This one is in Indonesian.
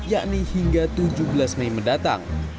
yakni hingga tujuh belas mei mendatang